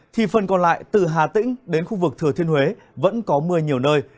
thì phần còn lại từ hà tĩnh đến khu vực thừa thiên huế vẫn có mưa nhiều nơi